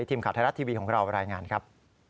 ทีมข่าวไทยรัฐทีวีของเรารายงานครับ